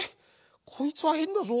こいつはへんだぞ。